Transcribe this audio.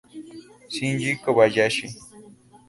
Shinji Kobayashi